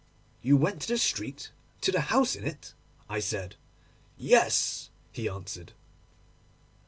'You went to the street, to the house in it?' I said. 'Yes,' he answered.